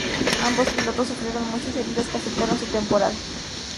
Ambos pilotos sufrieron muchas heridas que afectaron su temporada.